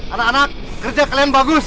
anak anak kerja kalian bagus